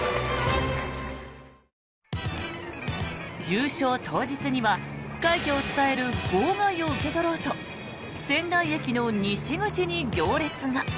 優勝当日には快挙を伝える号外を受け取ろうと仙台駅の西口に行列が。